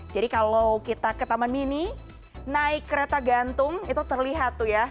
jadi kalau kita ke taman mini naik kereta gantung itu terlihat tuh ya